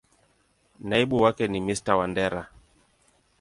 Naibu wake ni Mr.Wandera.